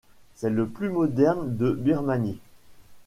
C'est le plus moderne de Birmanie.